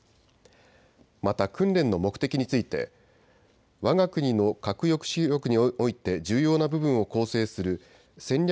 また訓練の目的についてわが国の核抑止力において重要な部分を構成する戦略